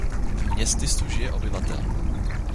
V městysu žije obyvatel.